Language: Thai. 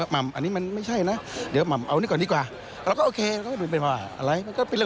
ไม่ได้ทำเหมือนกันเอาคุณโก๊ะไปแทน